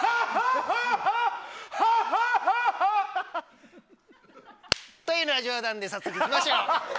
ハハハハ！というのは冗談で早速、いきましょう。